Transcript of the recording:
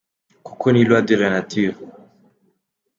Kuko ni loi de la nature.